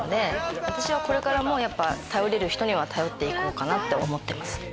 私はこれからも頼れる人には頼っていこうと思っています。